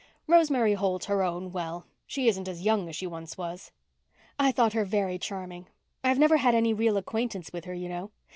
"Rosemary holds her own well. She isn't as young as she once was." "I thought her very charming. I've never had any real acquaintance with her, you know.